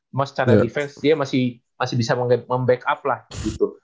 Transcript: memang secara defense dia masih bisa membackup lah gitu